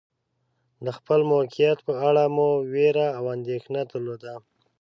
د خپل موقعیت په اړه مو وېره او اندېښنه درلوده.